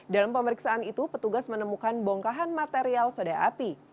dalam pemeriksaan itu petugas menemukan bongkahan material soda api